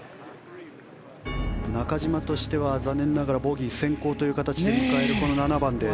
中島としては残念ながらボギー先行で迎える７番です。